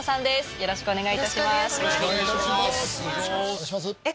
よろしくお願いします。